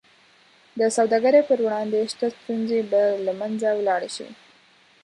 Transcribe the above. د سوداګرۍ پر وړاندې شته ستونزې به له منځه ولاړې شي.